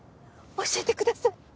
教えてください！